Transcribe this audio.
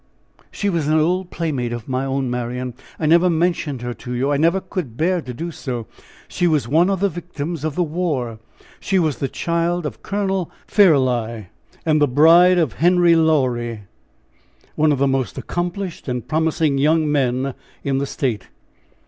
"She was an old playmate of my own, Marian. I never mentioned her to you I never could bear to do so. She was one of the victims of the war. She was the child of Colonel Fairlie and the bride of Henry Laurie, one of the most accomplished and promising young men in the State.